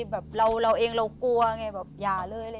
แบบเราเองเรากลัวอย่าเลยเลย